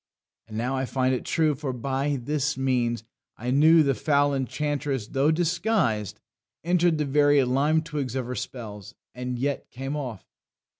And now I find it true; for by this means I knew the foul enchantress, though disguised, Enter'd the very lime twigs of her spells, And yet came off.